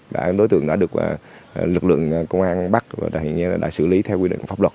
đối tượng đã được lực lượng công an bắt và hiện giờ đã xử lý theo quy định